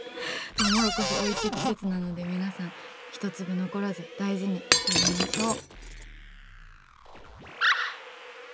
とうもろこしおいしい季節なんで皆さん、一粒残らず大事に食べましょう。